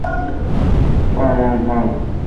Come on, Hulk!